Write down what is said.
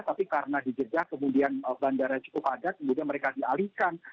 tapi karena di jejak kemudian bandara cukup padat kemudian mereka dialihkan